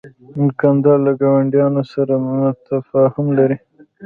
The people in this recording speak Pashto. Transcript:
دوکاندار له ګاونډیانو سره تفاهم لري.